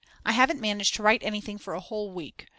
I haven't managed to write anything for a whole week.